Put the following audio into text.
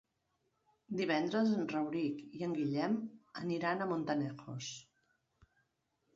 Divendres en Rauric i en Guillem aniran a Montanejos.